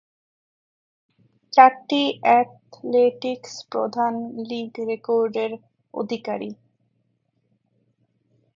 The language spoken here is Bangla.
চারটি অ্যাথলেটিক্স প্রধান লীগ রেকর্ডের অধিকারী।